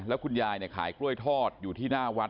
แล้วคุณยายขายกล้วยทอดอยู่ที่หน้าวัด